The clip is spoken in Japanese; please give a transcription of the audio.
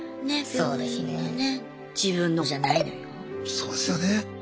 そうですよね。